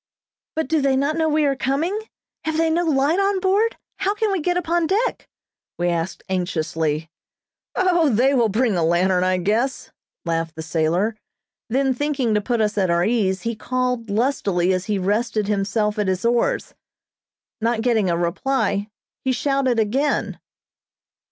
"But do they not know we are coming? Have they no light on board? How can we get upon deck?" we asked anxiously. "O, they will bring a lantern, I guess," laughed the sailor, then thinking to put us at our ease, he called lustily as he rested himself at his oars. Not getting a reply, he shouted again.